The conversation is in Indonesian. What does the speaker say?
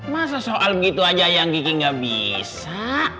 masa soal begitu aja ayang kiki nggak bisa